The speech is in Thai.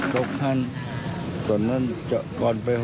ตอนที่พี่โอช็อกเนี่ย